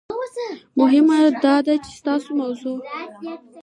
مهم داده چې تاسو د موضوع